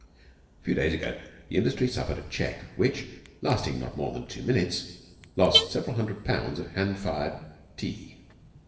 A few days ago the industry suffered a check which, lasting not more than two minutes, lost several hundred pounds of hand fired tea.